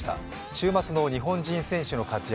週末の日本人選手の活躍